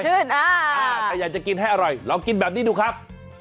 ถ้าอยากจะกินให้อร่อยลองกินแบบนี้ดูครับ